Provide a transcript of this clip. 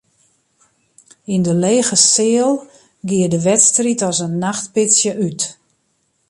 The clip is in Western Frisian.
Yn de lege seal gie de wedstriid as in nachtpitsje út.